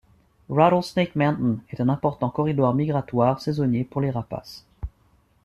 Rattlesnake Mountain est un important corridor migratoire saisonnier pour les rapaces.